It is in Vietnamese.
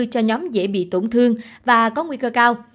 cho nhóm dễ bị tổn thương và có nguy cơ cao